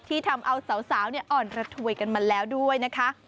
ทำเอาสาวอ่อนระถวยกันมาแล้วด้วยนะคะ